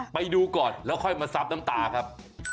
ไปดูก่อนแล้วค่อยมาซับน้ำตาครับ